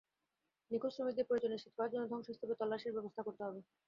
নিখোঁজ শ্রমিকদের পরিচয় নিশ্চিত করার জন্য ধ্বংসস্তূপে তল্লাশির ব্যবস্থা করতে হবে।